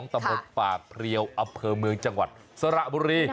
ตระบบฝากเพรียวอัพเพิร์ฟเมืองจังหวันสระบุรี